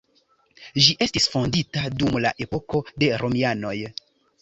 Ĝi estis fondita dum la epoko de romianoj.